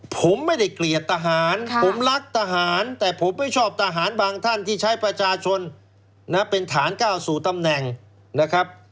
ผมไม่ได้เกลียดทหารผมรักทหารแต่ผมไม่ชอบทหารบางท่านที่ใช้ประชาชนนะเป็นฐานก้าวสู่ตำแหน่งนะครับ